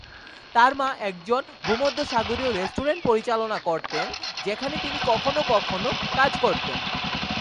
তার মা একজন ভূমধ্যসাগরীয় রেস্টুরেন্ট পরিচালনা করতেন যেখানে তিনি কখনো কখনো কাজ করতেন।